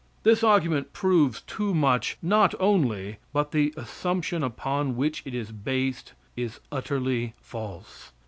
This argument proves too much not only, but the assumption upon which it is based is utterly false.